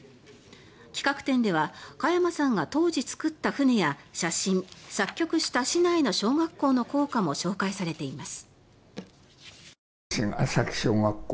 企画展では加山さんが当時造った船や写真作曲した市内の小学校の校歌も紹介されています。